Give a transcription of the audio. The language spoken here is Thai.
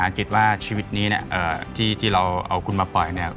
กฤษว่าชีวิตนี้เนี่ยที่เราเอาคุณมาปล่อยเนี่ย